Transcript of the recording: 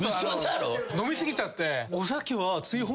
飲み過ぎちゃって。